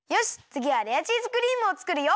つぎはレアチーズクリームをつくるよ！